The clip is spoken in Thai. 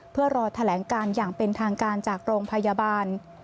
เพื่อรอแถลงการอย่างเป็นทางการจากโรงพยาบาล